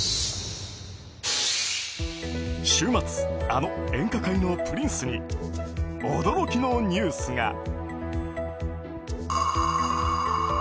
週末、あの演歌界のプリンスに驚きのニュースが。